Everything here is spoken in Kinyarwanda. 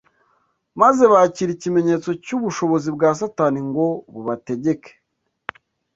maze bakira ikimenyetso cy’ubushobozi bwa Satani ngo bubategeke.